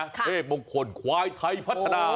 เทพมงคลควายไทยพัฒนา